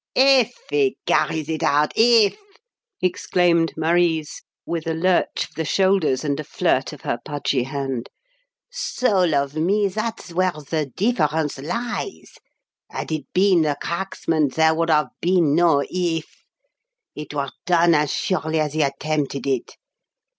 "'If' he carries it out 'if'!" exclaimed Marise, with a lurch of the shoulders and a flirt of her pudgy hand. "Soul of me! that's where the difference lies. Had it been the cracksman, there would have been no 'if' it were done as surely as he attempted it.